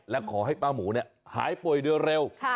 และขอให้ป้าหมูหายป่วยโดยเร็ว